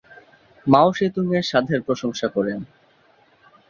মাও ৎসে-তুং এর স্বাদের প্রশংসা করেন।